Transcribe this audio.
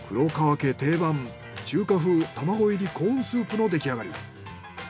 家定番中華風卵入りコーンスープの出来上がり。